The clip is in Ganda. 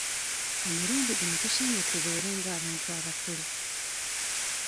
Omulundi guno tusaanye tubeera nga abantu abakulu.